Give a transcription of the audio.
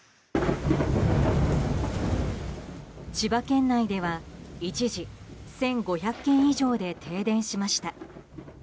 千葉県内では一時１５００軒以上で停電しました。